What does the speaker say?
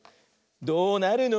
「どうなるの？